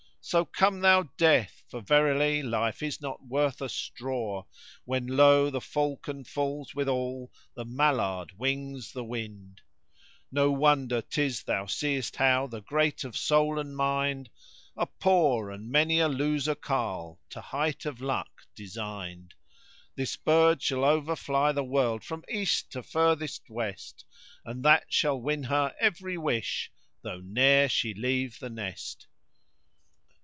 So come thou, Death! for verily life is not worth a straw * When low the falcon falls withal the mallard wings the wind: No wonder 'tis thou seest how the great of soul and mind * Are poor, and many a losel carle to height of luck designed. This bird shall overfly the world from east to furthest west * And that shall win her every wish though ne'er she leave the nest.